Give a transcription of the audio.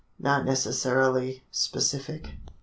Not necessarily specific.